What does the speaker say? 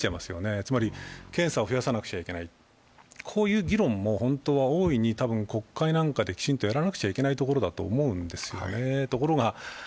つまり検査を増やさなくちゃいけない、こういう議論も本当は大いに国会などできちんとやらなくちゃいけないんですよね。